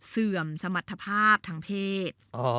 เสื่อมสมรรถภาพทางเพศ